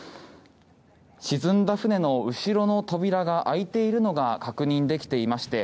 沈んだ船の後ろの扉が開いているのが確認できていまして